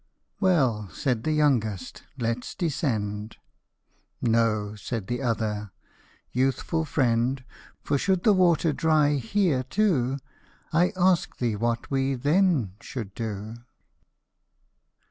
" Well," said the youngest, " let's descend ;"" No," said the other, " youthful friend ; For should the water dry here too, I ask thee what we then should do